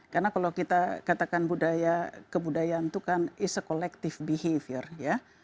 karena kalau kita katakan budaya kebudayaan itu kan is a collective behavior ya